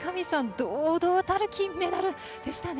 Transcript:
堂々たる金メダルでしたね。